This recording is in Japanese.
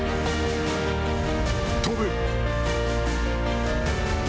飛ぶ。